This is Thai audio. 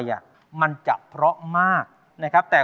อยากแต่งานกับเธออยากแต่งานกับเธอ